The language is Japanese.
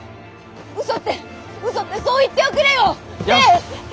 うそってうそってそう言っておくれよ！ねぇ！